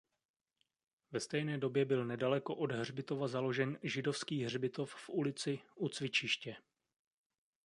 Ve stejné době byl nedaleko od hřbitova založen židovský hřbitov v ulici "U Cvičiště".